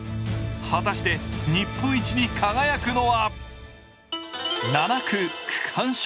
果たして日本一に輝くのは？